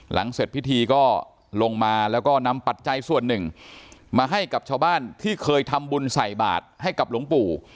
หลังเสร็จพิธีก็ลงมาแล้วก็นำปัจจัยส่วนหนึ่งมาให้กับชาวบ้านที่เคยทำบุญใส่บาทให้กับหลวงปู่